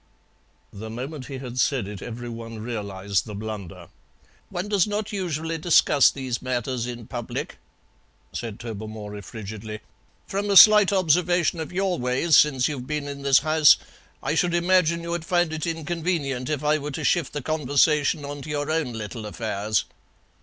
The moment he had said it every one realized the blunder. "One does not usually discuss these matters in public," said Tobermory frigidly. "From a slight observation of your ways since you've been in this house I should imagine you'd find it inconvenient if I were to shift the conversation on to your own little affairs."